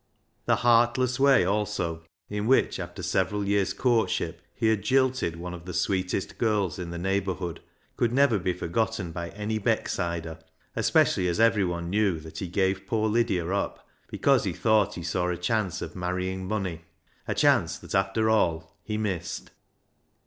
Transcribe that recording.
The heartless way, also, in which, after several years' courtship, he had jilted one of the sweetest girls in the neighbourhood could never be for gotten by any Becksider, especially as everyone knew that he gave poor Lydia up because he thought he saw a chance of marrying money, a chance that, after all, he missed.